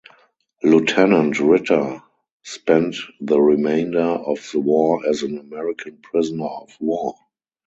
Lieutenant Ritter spent the remainder of the war as an American prisoner of war.